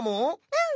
うん！